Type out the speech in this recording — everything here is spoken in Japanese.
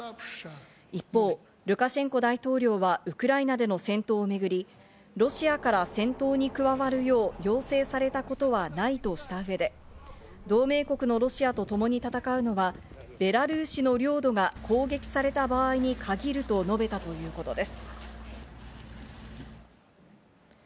一方、ルカシェンコ大統領はウクライナでの戦闘をめぐり、ロシアから戦闘に加わるよう要請されたことはないとしたうえで、同盟国のロシアとともに戦うのはベラルーシの領土が攻撃された場合に限ると述べたということです。